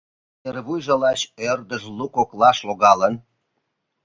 Кынервуйжо лач ӧрдыж лу коклаш логалын.